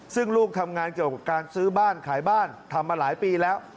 ซึ่งลูกทำงานเกี่ยวกับการซื้อบ้านขายบ้านทำมาหลายปีแล้ว